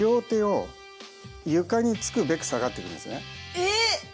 えっ！